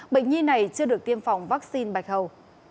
bệnh nhi này chưa được tiêm phòng vaccine bạch hầu